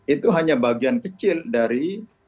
itu hanya bagian kecil dari